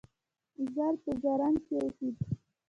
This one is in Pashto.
زال په زرنج کې اوسیده